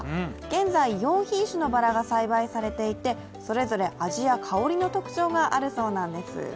現在、４品種のバラが栽培されていてそれぞれ味や香りの特徴があるそうなんです。